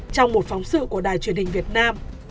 trong một phóng sự của đài truyền hình việt nam